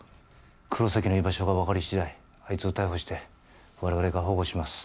黒崎の居場所が分かり次第あいつを逮捕して我々が保護します